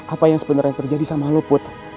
apa yang sebenernya terjadi sama lo put